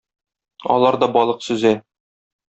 Алар да балык сөзә.